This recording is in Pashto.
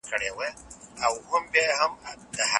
د اسلام په مبارک دين کي رښتیا ویل فرض دي.